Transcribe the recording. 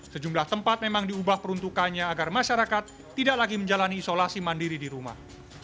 sejumlah tempat memang diubah peruntukannya agar masyarakat tidak lagi menjalani isolasi mandiri di rumah